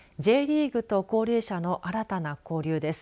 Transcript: Ｊリーグと高齢者の新たな交流です。